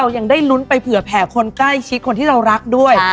ยังได้ลุ้นไปเผื่อแผ่คนใกล้ชิดคนที่เรารักด้วย